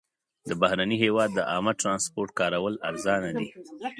د بهرني هېواد د عامه ترانسپورټ کارول ارزانه دي.